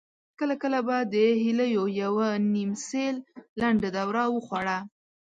کله کله به د هيليو يوه نيم سېل لنډه دوره وخوړه.